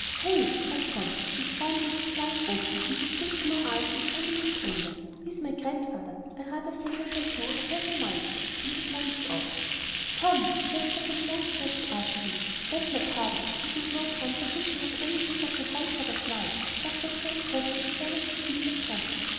"Hey!" cried Tom, his drawn lips flying open, and his big blue eyes distending in anger. "He's my Grandfather. I rather think I shall do as I've a mind to," and he plunged off. "Tom!" Jasper took long steps after him. "Beg your pardon, this is no time for thinking of anything but your Grandfather's life. Dr. Jones said you were not to see him at present."